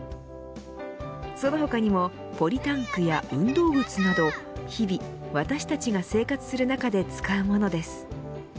その他にもポリタンクや運動靴など日々、私たちが生活する中で使うものです。